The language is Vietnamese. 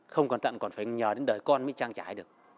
không còn tận còn phải nhờ đến đời con mới trang trải được